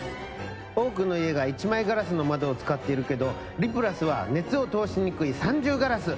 多くの家が一枚ガラスの窓を使っているけど「リプラス」は熱を通しにくい三重ガラス。